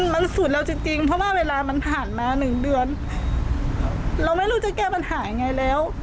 มันสุดแล้วจริงจริงเพราะว่าเวลามันผ่านมาหนึ่งเดือนเราไม่รู้จะแก้ปัญหายังไงแล้ว